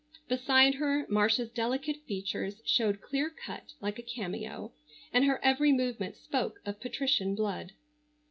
Beside her Marcia's delicate features showed clear cut like a cameo, and her every movement spoke of patrician blood.